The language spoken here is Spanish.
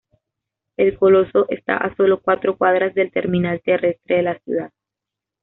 El coloso está a solo cuatro cuadras del Terminal Terrestre de la ciudad.